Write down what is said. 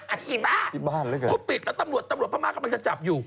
ไอ้บ้าชุดปิดแล้วตำรวจพม่ากับมันจะจับอยู่